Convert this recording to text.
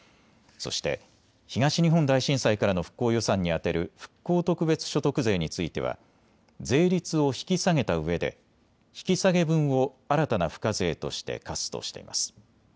そして東日本大震災からの復興予算に充てる復興特別所得税については税率を引き下げたうえで引き下げ分を新たな付加税として課すとしています。